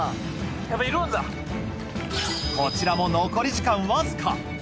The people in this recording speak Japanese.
こちらも残り時間わずかＳ